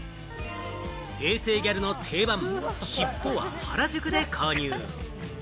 平成ギャルの定番、尻尾は原宿で購入。